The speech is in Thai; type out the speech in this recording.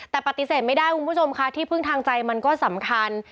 แต่ปฏิเสธไม่ได้คุณผู้ชมค่ะที่พึ่งทางใจมันก็สำคัญ